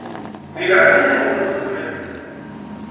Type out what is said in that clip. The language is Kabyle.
Di leɛnaya-nwen xedmem-t.